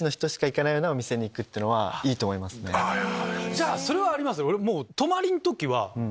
じゃあそれはありますよ。